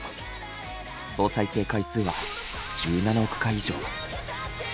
総再生回数は１７億回以上。